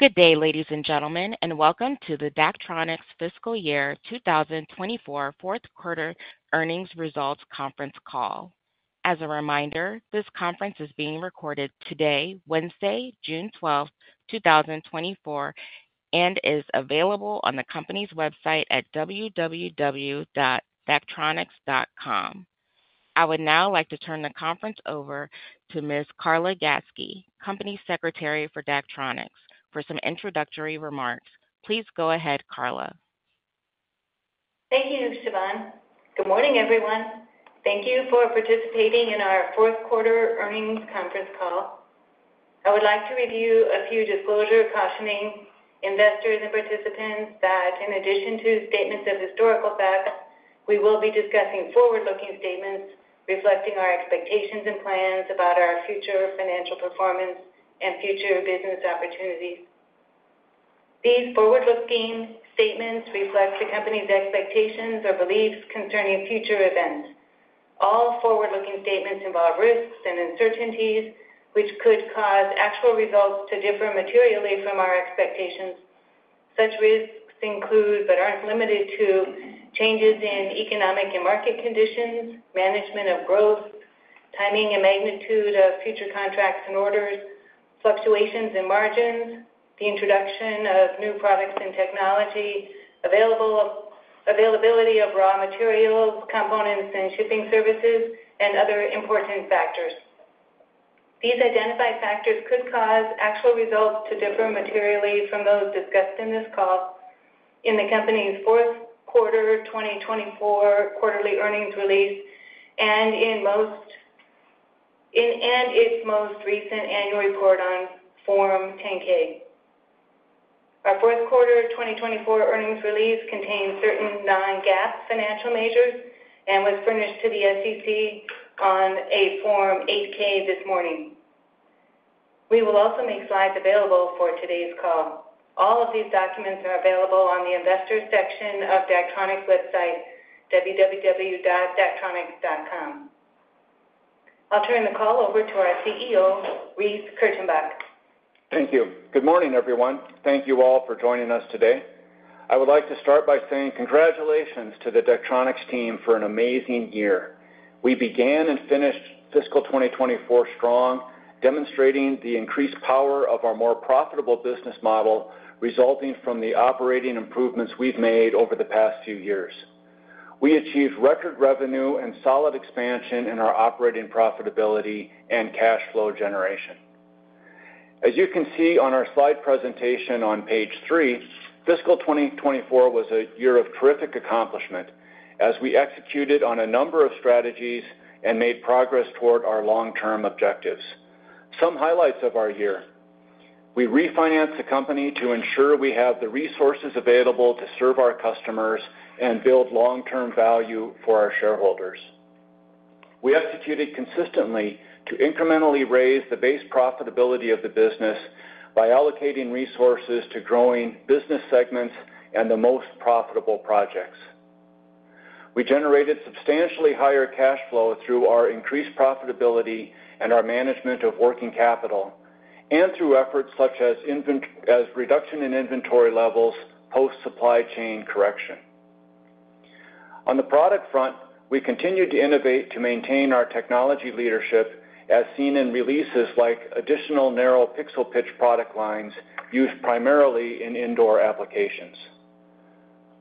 Good day, ladies and gentlemen, and welcome to the Daktronics Fiscal Year 2024 Q4 Earnings Results Conference call. As a reminder, this conference is being recorded today, Wednesday, June 12th, 2024, and is available on the company's website at www.daktronics.com. I would now like to turn the conference over to Ms. Carla Gatzke, Company Secretary for Daktronics, for some introductory remarks. Please go ahead, Carla. Thank you, Siobhan. Good morning, everyone. Thank you for participating in our Q4 Earnings Conference call. I would like to review a few disclosures cautioning investors and participants that, in addition to statements of historical facts, we will be discussing forward-looking statements reflecting our expectations and plans about our future financial performance and future business opportunities. These forward-looking statements reflect the company's expectations or beliefs concerning future events. All forward-looking statements involve risks and uncertainties which could cause actual results to differ materially from our expectations. Such risks include, but aren't limited to, changes in economic and market conditions, management of growth, timing and magnitude of future contracts and orders, fluctuations in margins, the introduction of new products and technology, availability of raw materials, components, and shipping services, and other important factors. These identified factors could cause actual results to differ materially from those discussed in this call in the company's Q4 2024 Quarterly Earnings Release and in its most recent annual report on Form 10-K. Our Q4 2024 Earnings Release contains certain non-GAAP financial measures and was furnished to the SEC on a Form 8-K this morning. We will also make slides available for today's call. All of these documents are available on the Investor Section of Daktronics' website, www.daktronics.com. I'll turn the call over to our CEO, Reece Kurtenbach. Thank you. Good morning, everyone. Thank you all for joining us today. I would like to start by saying congratulations to the Daktronics team for an amazing year. We began and finished Fiscal 2024 strong, demonstrating the increased power of our more profitable business model resulting from the operating improvements we've made over the past few years. We achieved record revenue and solid expansion in our operating profitability and cash flow generation. As you can see on our slide presentation on page 3, Fiscal 2024 was a year of terrific accomplishment as we executed on a number of strategies and made progress toward our long-term objectives. Some highlights of our year: we refinanced the company to ensure we have the resources available to serve our customers and build long-term value for our shareholders. We executed consistently to incrementally raise the base profitability of the business by allocating resources to growing business segments and the most profitable projects. We generated substantially higher cash flow through our increased profitability and our management of working capital, and through efforts such as reduction in inventory levels post-supply chain correction. On the product front, we continued to innovate to maintain our technology leadership as seen in releases like additional narrow pixel pitch product lines used primarily in indoor applications.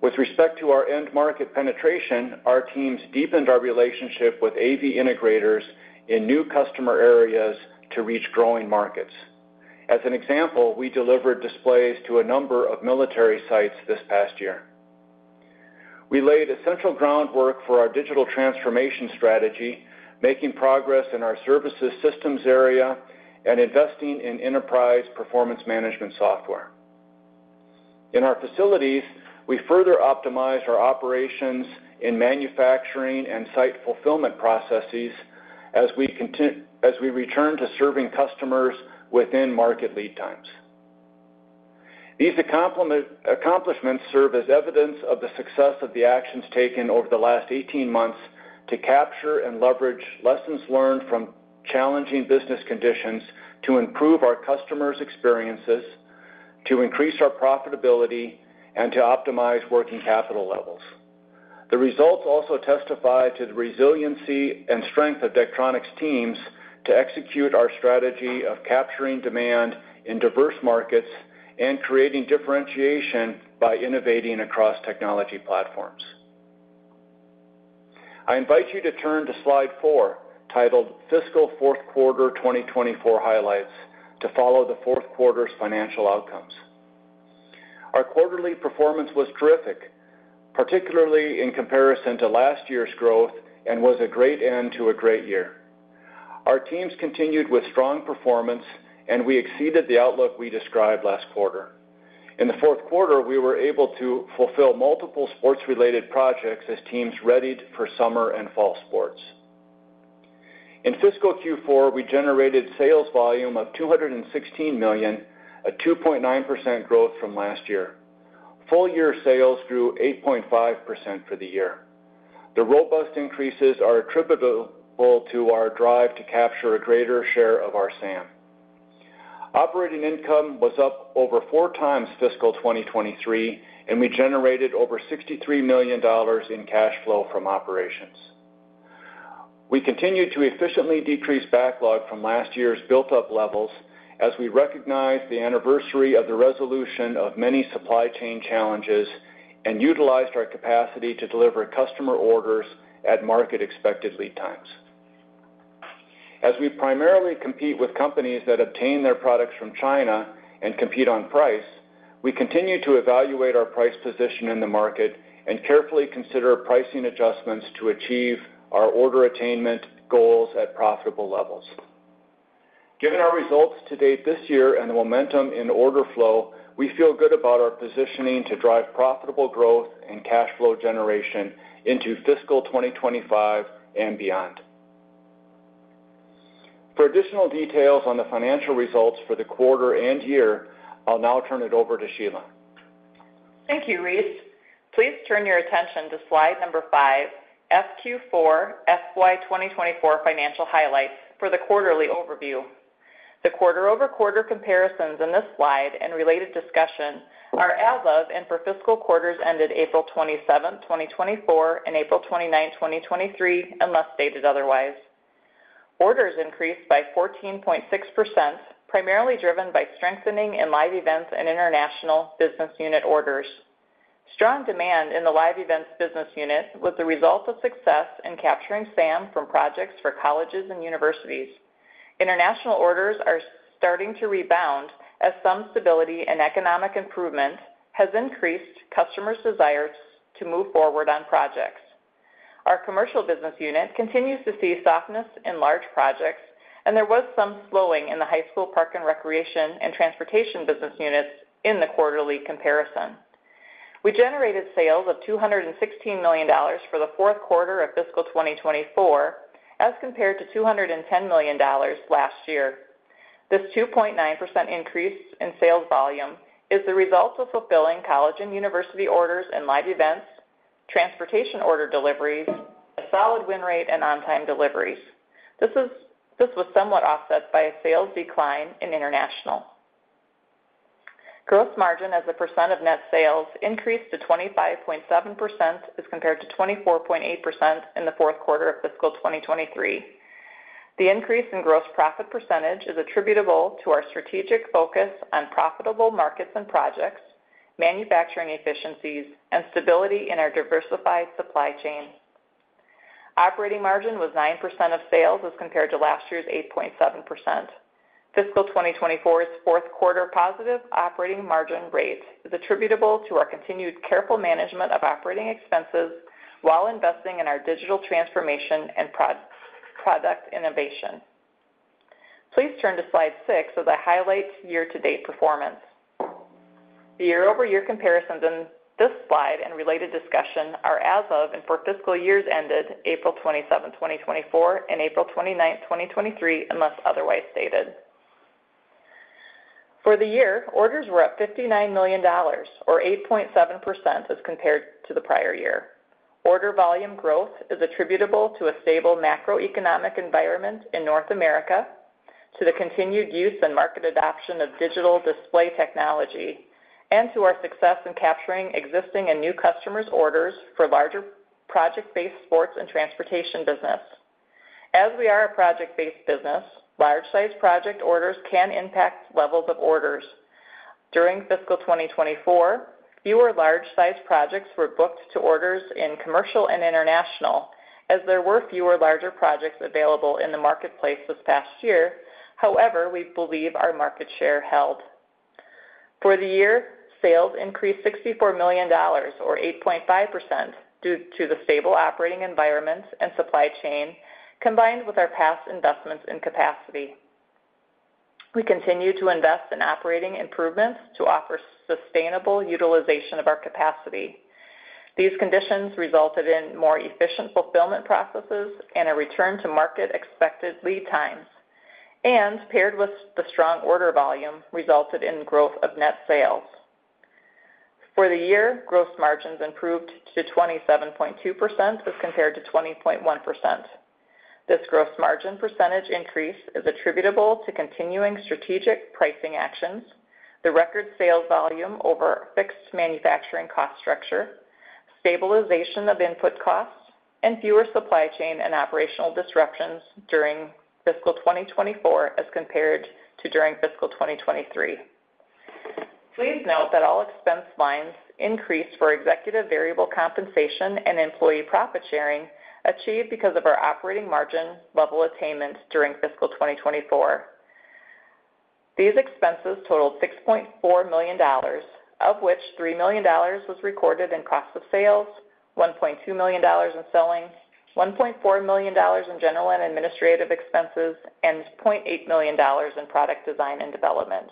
With respect to our end market penetration, our teams deepened our relationship with AV integrators in new customer areas to reach growing markets. As an example, we delivered displays to a number of military sites this past year. We laid essential groundwork for our digital transformation strategy, making progress in our services systems area and investing in enterprise performance management software. In our facilities, we further optimized our operations in manufacturing and site fulfillment processes as we returned to serving customers within market lead times. These accomplishments serve as evidence of the success of the actions taken over the last 18 months to capture and leverage lessons learned from challenging business conditions to improve our customers' experiences, to increase our profitability, and to optimize working capital levels. The results also testify to the resiliency and strength of Daktronics' teams to execute our strategy of capturing demand in diverse markets and creating differentiation by innovating across technology platforms. I invite you to turn to slide 4 titled Fiscal Q4 2024 Highlights to follow the Q4's financial outcomes. Our quarterly performance was terrific, particularly in comparison to last year's growth, and was a great end to a great year. Our teams continued with strong performance, and we exceeded the outlook we described last quarter. In the Q4, we were able to fulfill multiple sports-related projects as teams readied for summer and fall sports. In fiscal Q4, we generated sales volume of $216 million, a 2.9% growth from last year. Full year sales grew 8.5% for the year. The robust increases are attributable to our drive to capture a greater share of our SAM. Operating income was up over four times fiscal 2023, and we generated over $63 million in cash flow from operations. We continued to efficiently decrease backlog from last year's built-up levels as we recognized the anniversary of the resolution of many supply chain challenges and utilized our capacity to deliver customer orders at market-expected lead times. As we primarily compete with companies that obtain their products from China and compete on price, we continue to evaluate our price position in the market and carefully consider pricing adjustments to achieve our order attainment goals at profitable levels. Given our results to date this year and the momentum in order flow, we feel good about our positioning to drive profitable growth and cash flow generation into fiscal 2025 and beyond. For additional details on the financial results for the quarter and year, I'll now turn it over to Sheila. Thank you, Reece. Please turn your attention to slide number 5, FQ4-FY 2024 Financial Highlights for the quarterly overview. The quarter-over-quarter comparisons in this slide and related discussion are as of and for fiscal quarters ended April 27th, 2024, and April 29th, 2023, unless stated otherwise. Orders increased by 14.6%, primarily driven by strengthening in live events and international business unit orders. Strong demand in the live events business unit was the result of success in capturing SAM from projects for colleges and universities. International orders are starting to rebound as some stability and economic improvement has increased customers' desire to move forward on projects. Our commercial business unit continues to see softness in large projects, and there was some slowing in the high school, park, and recreation and transportation business units in the quarterly comparison. We generated sales of $216 million for the Q4 of fiscal 2024 as compared to $210 million last year. This 2.9% increase in sales volume is the result of fulfilling college and university orders and live events, transportation order deliveries, a solid win rate, and on-time deliveries. This was somewhat offset by a sales decline in international. Gross margin as a percent of net sales increased to 25.7% as compared to 24.8% in the Q4 of fiscal 2023. The increase in gross profit percentage is attributable to our strategic focus on profitable markets and projects, manufacturing efficiencies, and stability in our diversified supply chain. Operating margin was 9% of sales as compared to last year's 8.7%. Fiscal 2024's Q4 positive operating margin rate is attributable to our continued careful management of operating expenses while investing in our digital transformation and product innovation. Please turn to slide 6 as I highlight year-to-date performance. The year-over-year comparisons in this slide and related discussion are as of and for fiscal years ended April 27th, 2024, and April 29th, 2023, unless otherwise stated. For the year, orders were up $59 million, or 8.7% as compared to the prior year. Order volume growth is attributable to a stable macroeconomic environment in North America, to the continued use and market adoption of digital display technology, and to our success in capturing existing and new customers' orders for larger project-based sports and transportation business. As we are a project-based business, large-sized project orders can impact levels of orders. During fiscal 2024, fewer large-sized projects were booked to orders in commercial and international, as there were fewer larger projects available in the marketplace this past year. However, we believe our market share held. For the year, sales increased $64 million, or 8.5%, due to the stable operating environment and supply chain, combined with our past investments in capacity. We continue to invest in operating improvements to offer sustainable utilization of our capacity. These conditions resulted in more efficient fulfillment processes and a return-to-market expected lead times, and paired with the strong order volume, resulted in growth of net sales. For the year, gross margins improved to 27.2% as compared to 20.1%. This gross margin percentage increase is attributable to continuing strategic pricing actions, the record sales volume over fixed manufacturing cost structure, stabilization of input costs, and fewer supply chain and operational disruptions during fiscal 2024 as compared to during fiscal 2023. Please note that all expense lines increased for executive variable compensation and employee profit sharing achieved because of our operating margin level attainment during fiscal 2024. These expenses totaled $6.4 million, of which $3 million was recorded in cost of sales, $1.2 million in selling, $1.4 million in general and administrative expenses, and $0.8 million in product design and development.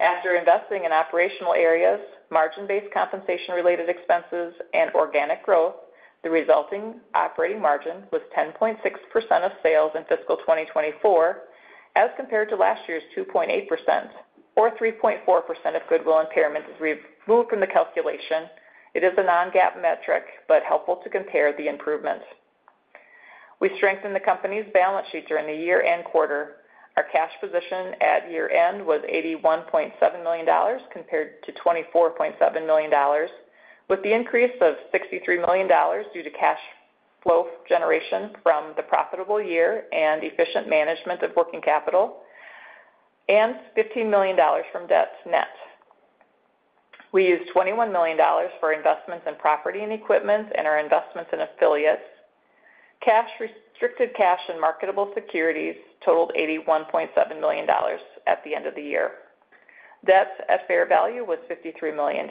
After investing in operational areas, margin-based compensation-related expenses, and organic growth, the resulting operating margin was 10.6% of sales in fiscal 2024 as compared to last year's 2.8%, or 3.4% if goodwill impairment is removed from the calculation. It is a non-GAAP metric, but helpful to compare the improvements. We strengthened the company's balance sheet during the year-end quarter. Our cash position at year-end was $81.7 million compared to $24.7 million, with the increase of $63 million due to cash flow generation from the profitable year and efficient management of working capital, and $15 million from debt net. We used $21 million for investments in property and equipment and our investments in affiliates. Restricted cash and marketable securities totaled $81.7 million at the end of the year. Debt at fair value was $53 million.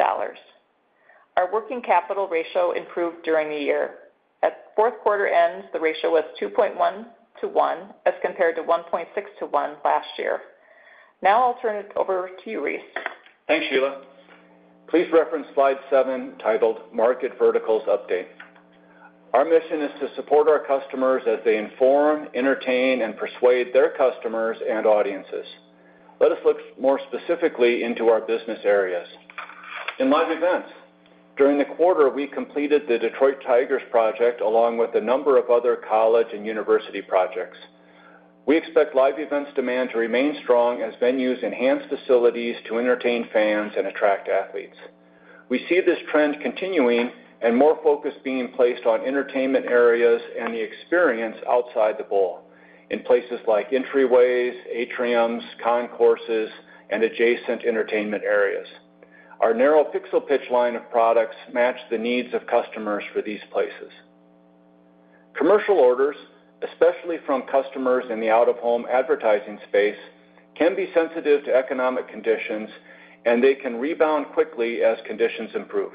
Our working capital ratio improved during the year. At Q4 end, the ratio was 2.1 to 1 as compared to 1.6 to 1 last year. Now I'll turn it over to you, Reece. Thanks, Sheila. Please reference slide 7 titled Market Verticals Update. Our mission is to support our customers as they inform, entertain, and persuade their customers and audiences. Let us look more specifically into our business areas. In live events, during the quarter, we completed the Detroit Tigers project along with a number of other college and university projects. We expect live events demand to remain strong as venues enhance facilities to entertain fans and attract athletes. We see this trend continuing and more focus being placed on entertainment areas and the experience outside the ball in places like entryways, atriums, concourses, and adjacent entertainment areas. Our narrow pixel pitch line of products match the needs of customers for these places. Commercial orders, especially from customers in the out-of-home advertising space, can be sensitive to economic conditions, and they can rebound quickly as conditions improve.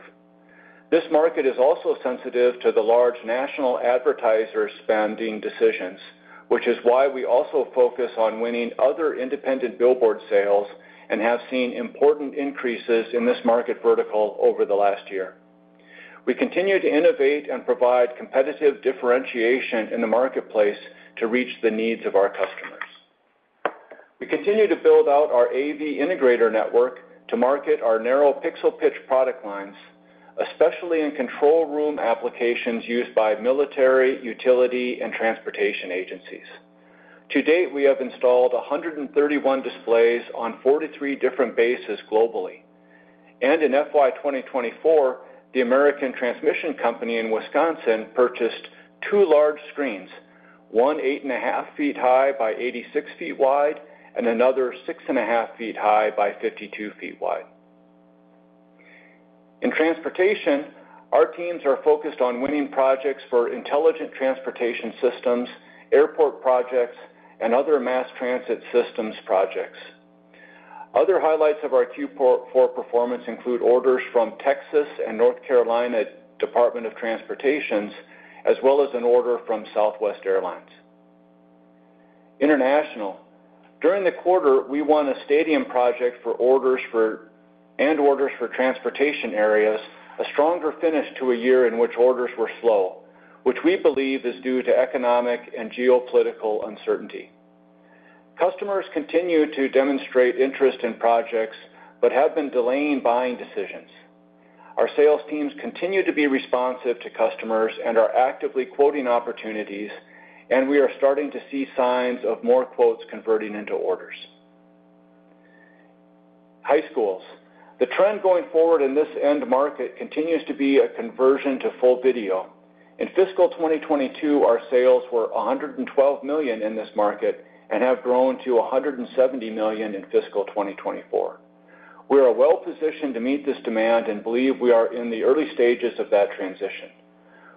This market is also sensitive to the large national advertiser spending decisions, which is why we also focus on winning other independent billboard sales and have seen important increases in this market vertical over the last year. We continue to innovate and provide competitive differentiation in the marketplace to reach the needs of our customers. We continue to build out our AV integrator network to market our narrow pixel pitch product lines, especially in control room applications used by military, utility, and transportation agencies. To date, we have installed 131 displays on 43 different bases globally. In FY 2024, the American Transmission Company in Wisconsin purchased two large screens, one 8.5 feet high by 86 feet wide and another 6.5 feet high by 52 feet wide. In transportation, our teams are focused on winning projects for intelligent transportation systems, airport projects, and other mass transit systems projects. Other highlights of our Q4 performance include orders from Texas and North Carolina Departments of Transportation, as well as an order from Southwest Airlines. Internationally, during the quarter, we won a stadium project for orders and orders for transportation areas, a stronger finish to a year in which orders were slow, which we believe is due to economic and geopolitical uncertainty. Customers continue to demonstrate interest in projects but have been delaying buying decisions. Our sales teams continue to be responsive to customers and are actively quoting opportunities, and we are starting to see signs of more quotes converting into orders. High schools, the trend going forward in this end market continues to be a conversion to full video. In fiscal 2022, our sales were $112 million in this market and have grown to $170 million in fiscal 2024. We are well positioned to meet this demand and believe we are in the early stages of that transition.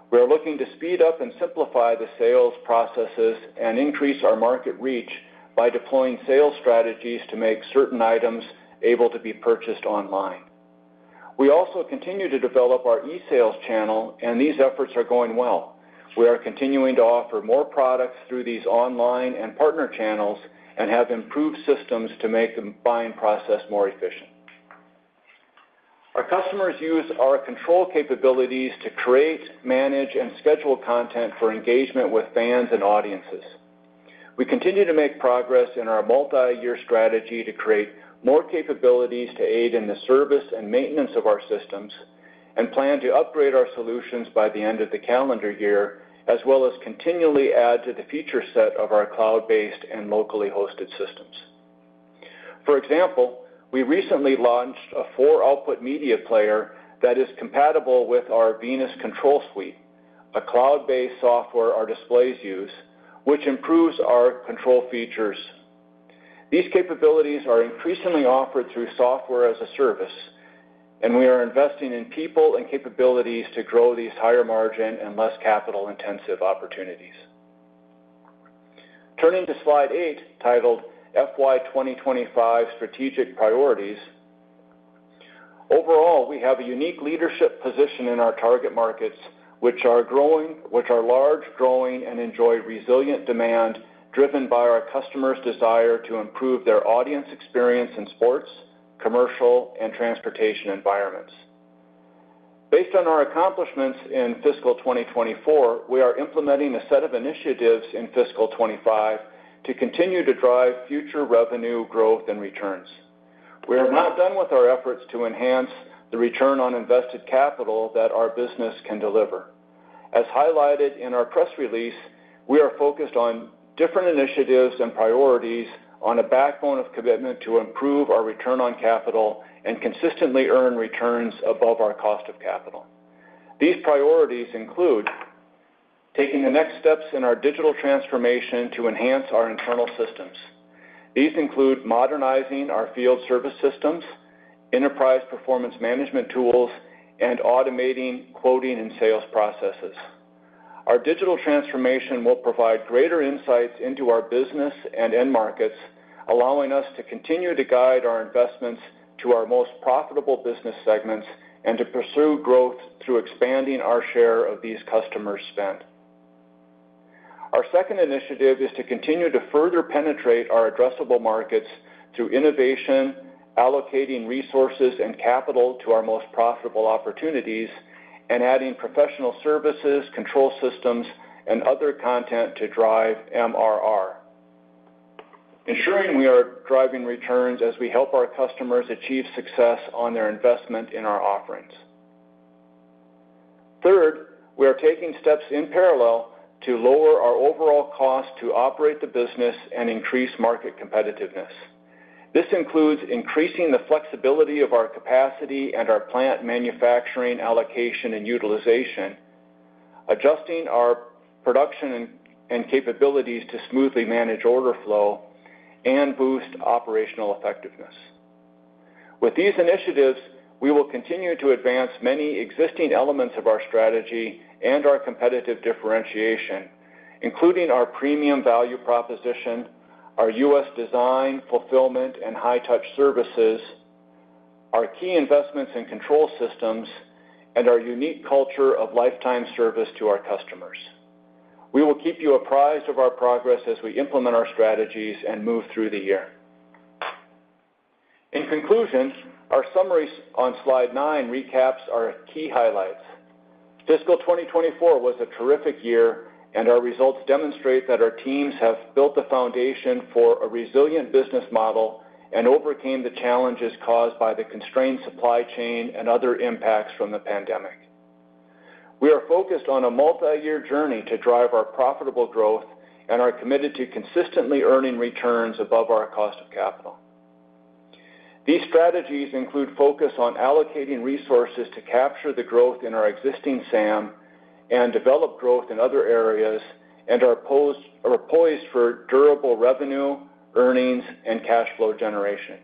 We are looking to speed up and simplify the sales processes and increase our market reach by deploying sales strategies to make certain items able to be purchased online. We also continue to develop our e-sales channel, and these efforts are going well. We are continuing to offer more products through these online and partner channels and have improved systems to make the buying process more efficient. Our customers use our control capabilities to create, manage, and schedule content for engagement with fans and audiences. We continue to make progress in our multi-year strategy to create more capabilities to aid in the service and maintenance of our systems and plan to upgrade our solutions by the end of the calendar year, as well as continually add to the feature set of our cloud-based and locally hosted systems. For example, we recently launched a four-output media player that is compatible with our Venus Control Suite, a cloud-based software our displays use, which improves our control features. These capabilities are increasingly offered through software as a service, and we are investing in people and capabilities to grow these higher margin and less capital-intensive opportunities. Turning to slide 8 titled FY 2025 Strategic Priorities, overall, we have a unique leadership position in our target markets, which are growing, which are large, growing, and enjoy resilient demand driven by our customers' desire to improve their audience experience in sports, commercial, and transportation environments. Based on our accomplishments in fiscal 2024, we are implementing a set of initiatives in fiscal 2025 to continue to drive future revenue growth and returns. We are not done with our efforts to enhance the return on invested capital that our business can deliver. As highlighted in our press release, we are focused on different initiatives and priorities on a backbone of commitment to improve our return on capital and consistently earn returns above our cost of capital. These priorities include taking the next steps in our digital transformation to enhance our internal systems. These include modernizing our field service systems, enterprise performance management tools, and automating quoting and sales processes. Our digital transformation will provide greater insights into our business and end markets, allowing us to continue to guide our investments to our most profitable business segments and to pursue growth through expanding our share of these customers' spend. Our second initiative is to continue to further penetrate our addressable markets through innovation, allocating resources and capital to our most profitable opportunities, and adding professional services, control systems, and other content to drive MRR, ensuring we are driving returns as we help our customers achieve success on their investment in our offerings. Third, we are taking steps in parallel to lower our overall cost to operate the business and increase market competitiveness. This includes increasing the flexibility of our capacity and our plant manufacturing allocation and utilization, adjusting our production and capabilities to smoothly manage order flow, and boost operational effectiveness. With these initiatives, we will continue to advance many existing elements of our strategy and our competitive differentiation, including our premium value proposition, our U.S. design, fulfillment, and high-touch services, our key investments in control systems, and our unique culture of lifetime service to our customers. We will keep you apprised of our progress as we implement our strategies and move through the year. In conclusion, our summary on slide nine recaps our key highlights. Fiscal 2024 was a terrific year, and our results demonstrate that our teams have built the foundation for a resilient business model and overcame the challenges caused by the constrained supply chain and other impacts from the pandemic. We are focused on a multi-year journey to drive our profitable growth and are committed to consistently earning returns above our cost of capital. These strategies include focus on allocating resources to capture the growth in our existing SAM and develop growth in other areas and are poised for durable revenue, earnings, and cash flow generation.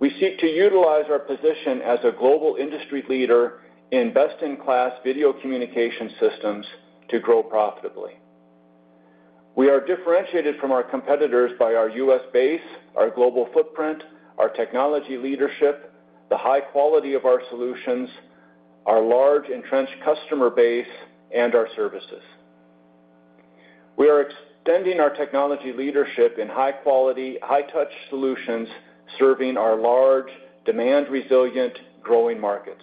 We seek to utilize our position as a global industry leader in best-in-class video communication systems to grow profitably. We are differentiated from our competitors by our U.S. base, our global footprint, our technology leadership, the high quality of our solutions, our large entrenched customer base, and our services. We are extending our technology leadership in high-quality, high-touch solutions serving our large, demand-resilient, growing markets.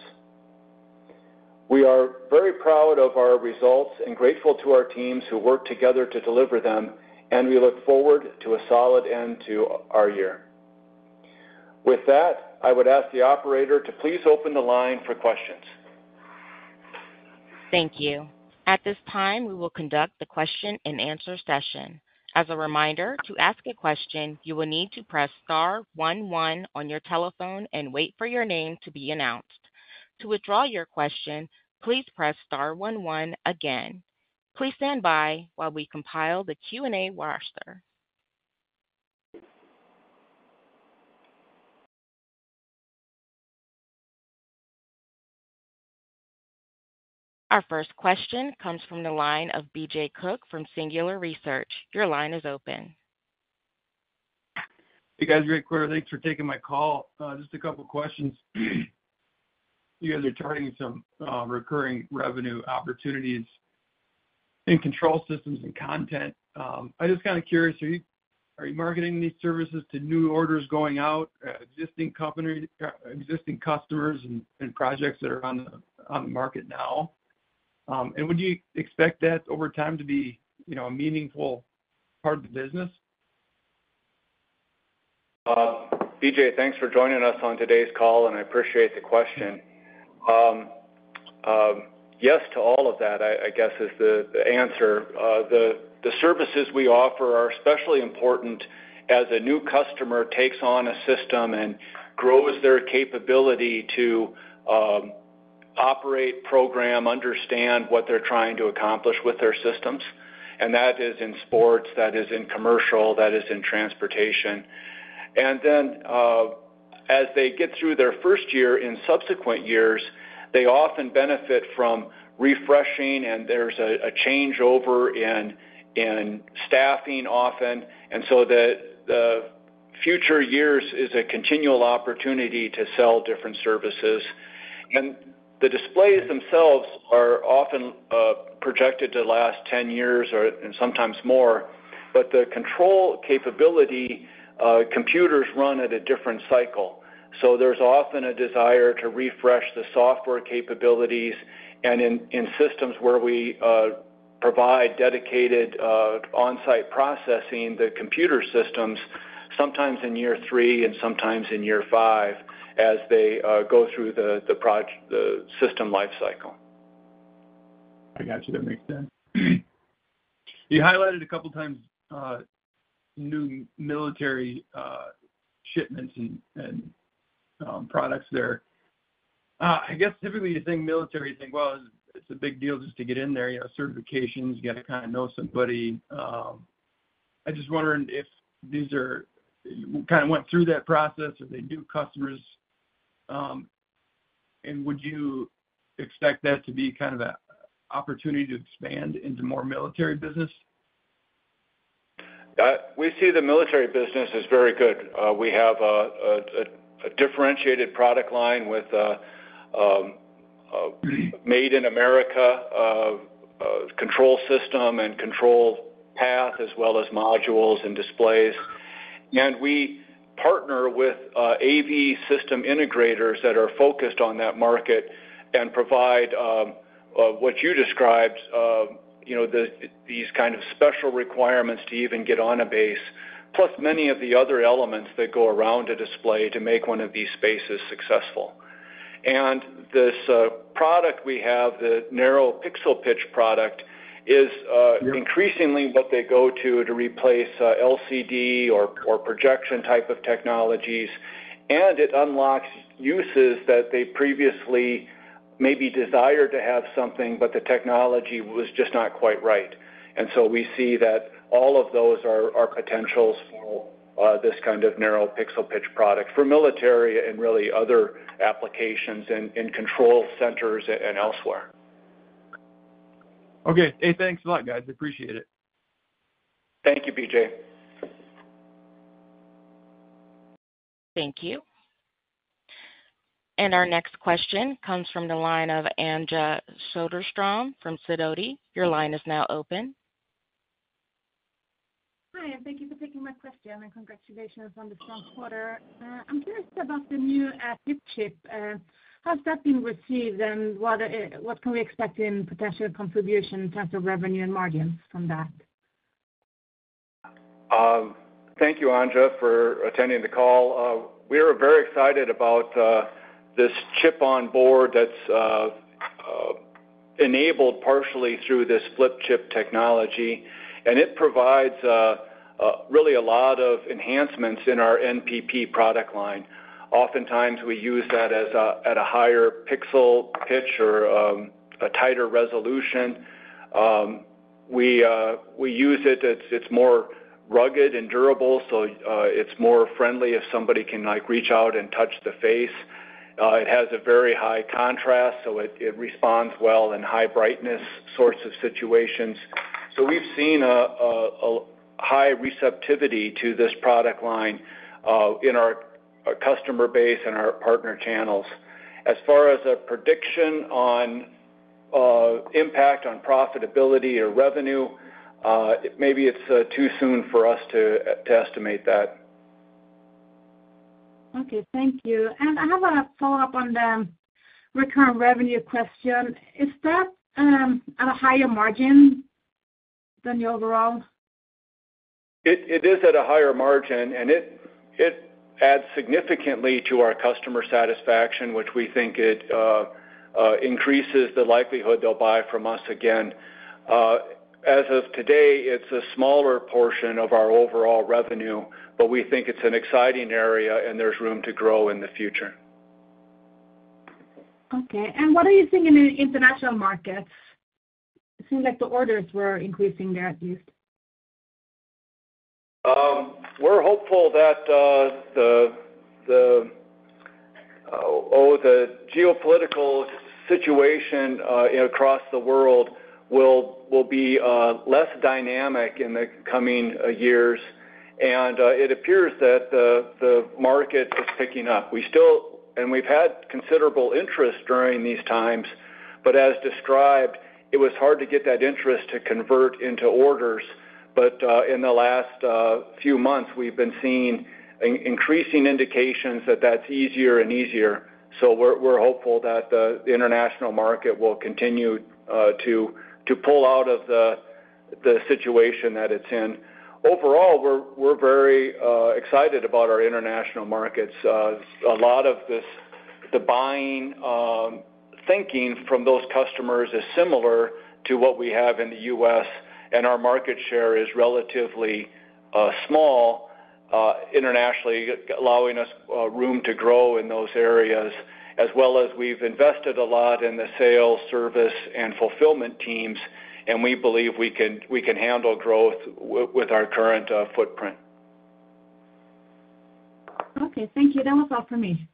We are very proud of our results and grateful to our teams who work together to deliver them, and we look forward to a solid end to our year. With that, I would ask the operator to please open the line for questions. Thank you. At this time, we will conduct the question-and-answer session. As a reminder, to ask a question, you will need to press star 11 on your telephone and wait for your name to be announced. To withdraw your question, please press star 11 again. Please stand by while we compile the Q&A roster. Our first question comes from the line of BJ Cook from Singular Research. Your line is open. Hey, guys. Great quarter. Thanks for taking my call. Just a couple of questions. You guys are targeting some recurring revenue opportunities in control systems and content. I'm just kind of curious, are you marketing these services to new orders going out, existing customers, and projects that are on the market now? And would you expect that over time to be a meaningful part of the business? BJ, thanks for joining us on today's call, and I appreciate the question. Yes to all of that, I guess, is the answer. The services we offer are especially important as a new customer takes on a system and grows their capability to operate, program, understand what they're trying to accomplish with their systems. And that is in sports, that is in commercial, that is in transportation. And then as they get through their first year in subsequent years, they often benefit from refreshing, and there's a changeover in staffing often, and so that the future years is a continual opportunity to sell different services. And the displays themselves are often projected to last 10 years or sometimes more, but the control capability computers run at a different cycle. So there's often a desire to refresh the software capabilities. In systems where we provide dedicated on-site processing, the computer systems, sometimes in year 3 and sometimes in year 5 as they go through the system lifecycle. I got you. That makes sense. You highlighted a couple of times new military shipments and products there. I guess typically you think military, you think, "Well, it's a big deal just to get in there." Certifications, you got to kind of know somebody. I just wondered if these are kind of went through that process or they knew customers. Would you expect that to be kind of an opportunity to expand into more military business? We see the military business is very good. We have a differentiated product line with made in America control system and control path, as well as modules and displays. We partner with AV system integrators that are focused on that market and provide what you described, these kind of special requirements to even get on a base, plus many of the other elements that go around a display to make one of these spaces successful. This product we have, the narrow pixel pitch product, is increasingly what they go to to replace LCD or projection type of technologies, and it unlocks uses that they previously maybe desired to have something, but the technology was just not quite right. So we see that all of those are potentials for this kind of narrow pixel pitch product for military and really other applications in control centers and elsewhere. Okay. Hey, thanks a lot, guys. Appreciate it. Thank you, BJ. Thank you. Our next question comes from the line of Anja Soderstrom from Sidoti. Your line is now open. Hi. Thank you for taking my question and congratulations on the strong quarter. I'm curious about the new active chip. How's that being received and what can we expect in potential contribution in terms of revenue and margins from that? Thank you, Angela, for attending the call. We are very excited about this chip-on-board that's enabled partially through this flip-chip technology. It provides really a lot of enhancements in our NPP product line. Oftentimes, we use that at a higher pixel pitch or a tighter resolution. We use it. It's more rugged and durable, so it's more friendly if somebody can reach out and touch the face. It has a very high contrast, so it responds well in high-brightness sorts of situations. We've seen a high receptivity to this product line in our customer base and our partner channels. As far as a prediction on impact on profitability or revenue, maybe it's too soon for us to estimate that. Okay. Thank you. I have a follow-up on the recurring revenue question. Is that at a higher margin than the overall? It is at a higher margin, and it adds significantly to our customer satisfaction, which we think increases the likelihood they'll buy from us again. As of today, it's a smaller portion of our overall revenue, but we think it's an exciting area and there's room to grow in the future. Okay. And what are you seeing in the international markets? It seems like the orders were increasing there at least. We're hopeful that the geopolitical situation across the world will be less dynamic in the coming years. It appears that the market is picking up. We've had considerable interest during these times, but as described, it was hard to get that interest to convert into orders. In the last few months, we've been seeing increasing indications that that's easier and easier. We're hopeful that the international market will continue to pull out of the situation that it's in. Overall, we're very excited about our international markets. A lot of the buying thinking from those customers is similar to what we have in the U.S. and our market share is relatively small internationally, allowing us room to grow in those areas, as well as we've invested a lot in the sales, service, and fulfillment teams, and we believe we can handle growth with our current footprint. Okay. Thank you. That was all for me.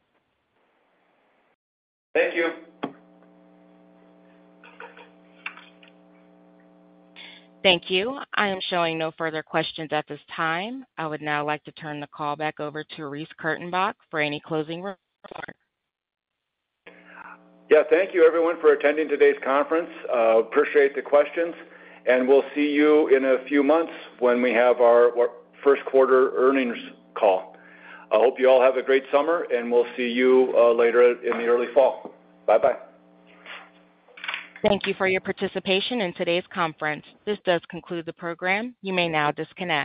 Thank you. Thank you. I am showing no further questions at this time. I would now like to turn the call back over to Reece Kurtenbach for any closing remarks. Yeah. Thank you, everyone, for attending today's conference. Appreciate the questions. We'll see you in a few months when we have our Q1 earnings call. I hope you all have a great summer, and we'll see you later in the early fall. Bye-bye. Thank you for your participation in today's conference. This does conclude the program. You may now disconnect.